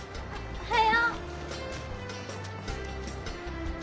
おはよう。